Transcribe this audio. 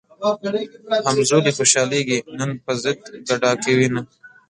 همزولي خوشحالېږي نن پۀ ضد ګډا کوينه